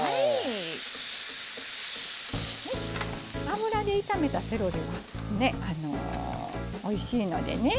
油で炒めたセロリはねおいしいのでね